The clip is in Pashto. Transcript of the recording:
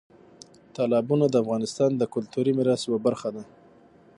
تالابونه د افغانستان د کلتوري میراث یوه برخه ده.